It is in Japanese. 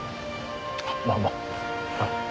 あっまあまあ。